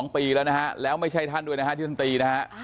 ๒ปีแล้วนะฮะแล้วไม่ใช่ท่านด้วยนะฮะที่ท่านตีนะฮะ